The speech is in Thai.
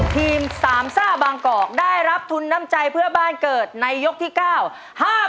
ทีมสามส้าบางโกรธได้รับทุนน้ำใจเพื่อบ้านเกิดในยกที่ก้าว๕๐๐๐บาท